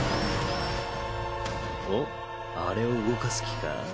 おっあれを動かす気か？